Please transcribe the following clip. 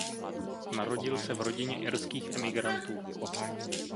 Narodil se v rodině irských emigrantů.